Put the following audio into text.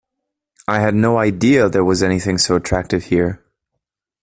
I had no idea there was anything so attractive here.